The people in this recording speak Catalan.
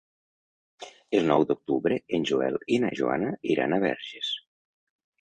El nou d'octubre en Joel i na Joana iran a Verges.